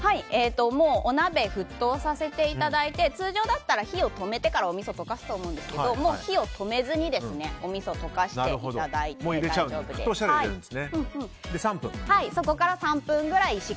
お鍋、沸騰させていただいて通常だったら火を止めてからおみそを溶かすと思うんですが火を止めずに、おみそを溶かしていただいて大丈夫です。